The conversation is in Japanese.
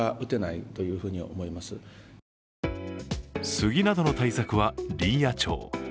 スギなどの対策は林野庁。